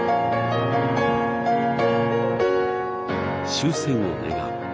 終戦を願い